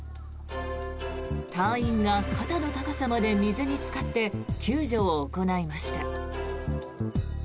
隊員が肩の高さまで水につかって救助を行いました。